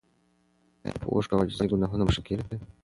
ایا په اوښکو او عاجزۍ ګناهونه بخښل کیږي؟